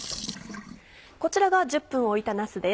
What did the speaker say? こちらが１０分置いたなすです。